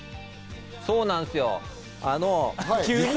そうなんですよ。